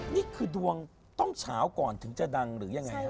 นี่คือดวงต้องเฉาก่อนถึงจะดังหรือยังไง